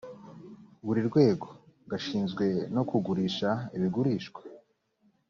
buri rwego gashinzwe no kugurisha ibigurishwa